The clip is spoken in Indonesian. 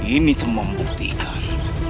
ini semua membuktikan